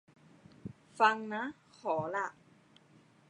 งั้นฟังนะ ขอล่ะ